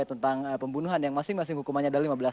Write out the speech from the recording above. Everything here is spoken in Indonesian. tentang pembunuhan yang masing masing hukumannya adalah